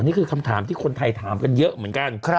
นี่คือคำถามที่คนไทยถามกันเยอะเหมือนกัน